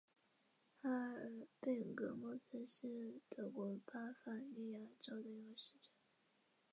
硝酸盐及亚硝酸盐都是常见的食物防腐剂。